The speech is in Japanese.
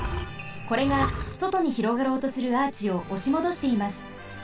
これがそとに広がろうとするアーチをおしもどしています。